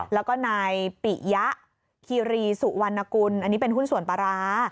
แล้วก็นายปิยะคีรีสุวรรณกุลอันนี้เป็นหุ้นส่วนปลาร้า